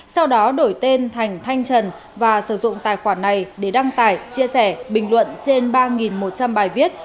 sau đó đổi tên thành thanh trần và sử dụng tài khoản này để đăng tải chia sẻ bình luận trên ba một trăm linh bài viết